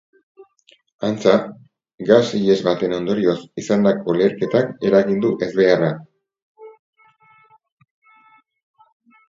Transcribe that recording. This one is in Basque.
Antza, gas ihes baten ondorioz izandako leherketak eragin du ezbeharra.